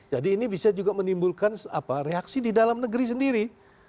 jadi ini bisa juga menimbulkan reaksi di dalam negeri sendiri